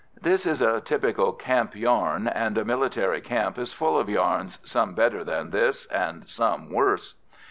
This is a typical camp yarn, and a military camp is full of yarns, some better than this, and some worse.